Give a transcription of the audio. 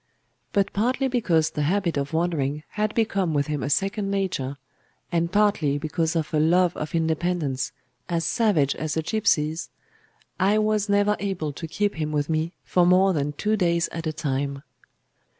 But partly because the habit of wandering had become with him a second nature, and partly because of a love of independence as savage as a gipsy's, I was never able to keep him with me for more than two days at a time.